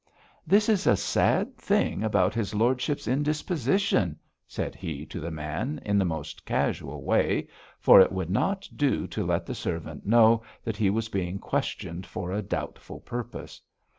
'This is a sad thing about his lordship's indisposition, said he to the man in the most casual way, for it would not do to let the servant know that he was being questioned for a doubtful purpose.